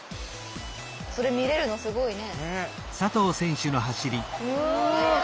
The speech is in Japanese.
それ見れるのすごいね。